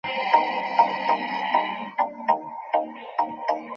এরই অংশ হিসেবে নতুন ডোমেইন নামের অনুমোদন দেওয়া শুরু করেছে প্রতিষ্ঠানটি।